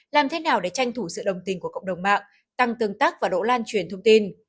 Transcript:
làm thế nào để tranh thủ sự đồng tình của cộng đồng mạng tăng tương tác và độ lan truyền thông tin